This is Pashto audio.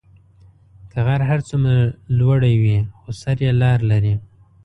که غر هر څومره لوړی وي، خو سر یې لار لري.